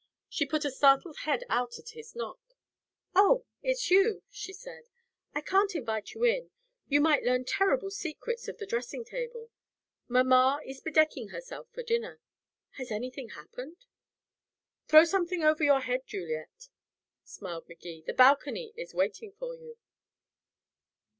She put a startled head out at his knock. "Oh, it's you," she said. "I can't invite you in. You might learn terrible secrets of the dressing table mamma is bedecking herself for dinner. Has anything happened?" "Throw something over your head, Juliet," smiled Magee, "the balcony is waiting for you."